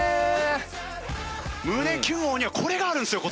胸キュン王にはこれがあるんですよ！